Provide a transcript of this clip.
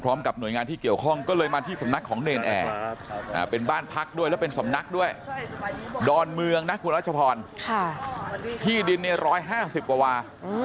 หน่วยงานที่เกี่ยวข้องก็เลยมาที่สำนักของเนรนแอร์เป็นบ้านพักด้วยแล้วเป็นสำนักด้วยดอนเมืองนะคุณรัชพรที่ดินเนี่ย๑๕๐กว่าวา